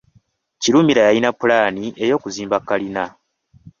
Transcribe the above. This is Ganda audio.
Kirumira yalina ppulaani ey’okuzimba kalina.